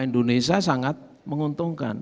indonesia sangat menguntungkan